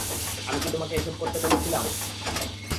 আমি কি তোমাকে এসব করতে বলেছিলাম?